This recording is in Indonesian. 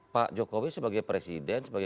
pak jokowi sebagai presiden sebagai